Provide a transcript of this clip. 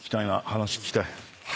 話聞きたい。